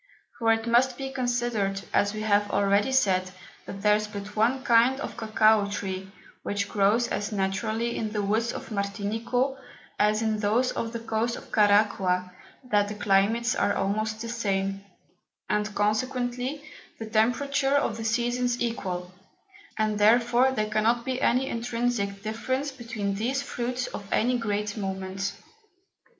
For it must be considered, as we have already said, that there is but one kind of Cocao Tree, which grows as naturally in the Woods of Martinico, as in those of the Coast of Caraqua, that the Climates are almost the same, and consequently the Temperature of the Seasons equal, and therefore there cannot be any intrinsick Difference between these Fruits of any great moment.